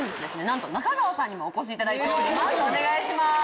なんとナカガワさんにもお越しいただいております